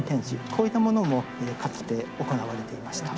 こういったものもかつて行われていました。